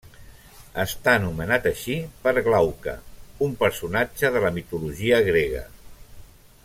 Està nomenat així per Glauca, un personatge de la mitologia grega.